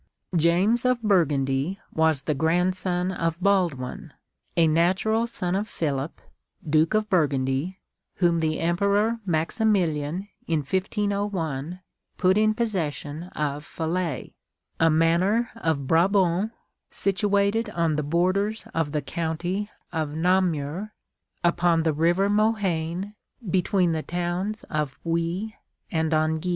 James of Burgundy was the grandson of Baldwin, a natural son of Philip, Duke of Burgundy, whom the Em peror Maximilian, in 1501, put in possession of Falais, a " Manor of Brabant, situated on the borders of the county of Namur, upon the river Mohaine, between the towns of Huy and Henneguy."